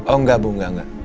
oh enggak bu enggak enggak